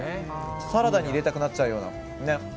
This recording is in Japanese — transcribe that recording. サラダに入れたくなっちゃうような。